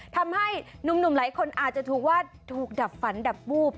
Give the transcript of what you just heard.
ทำให้หนุ่มหลายคนอาจจะถูกว่าถูกดับฝันดับวูบ